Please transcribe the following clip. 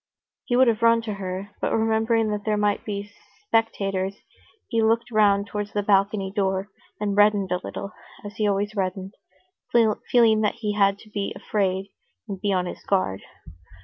He would have run to her, but remembering that there might be spectators, he looked round towards the balcony door, and reddened a little, as he always reddened, feeling that he had to be afraid and be on his guard.